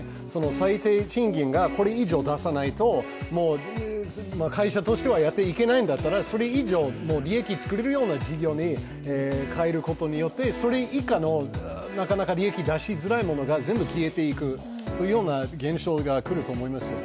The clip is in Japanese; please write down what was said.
最低賃金がこれ以上出さないと、会社としてはやっていけないんだったらそれ以上、利益が作れるような事業に変えることによってそれ以下の利益出しづらいものが全部消えていく、そういうような現象が来ると思いますよね。